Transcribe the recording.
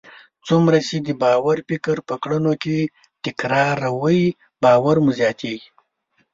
څومره چې د باور فکر په کړنو کې تکراروئ، باور مو زیاتیږي.